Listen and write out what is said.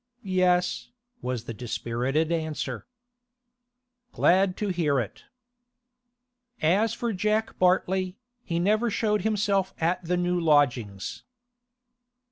'Yes,' was the dispirited answer. 'Glad to hear it.' As for Jack Bartley, he never showed himself at the new lodgings.